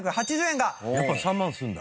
やっぱ３万するんだ。